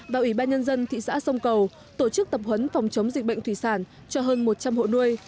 và ủy ban nhân dân thị xã sông cầu tổ chức tập huấn phòng chống dịch bệnh thủy sản cho hơn một trăm linh hộ nuôi